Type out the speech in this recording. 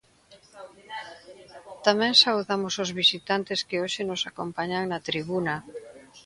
Tamén saudamos os visitantes que hoxe nos acompañan na tribuna.